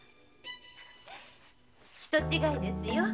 人違いですよ。